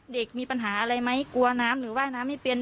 เด็กมีปัญหาอะไรไหมกลัวน้ำหรือว่ายน้ำไม่เป็น